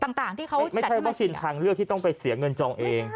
ไม่ใช่วัคซีนทางเลือกที่ต้องไปเสียเงินจองเอง